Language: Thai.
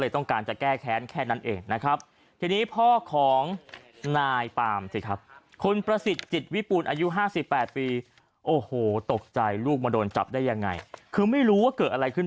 เตรียดไหมตอนนี้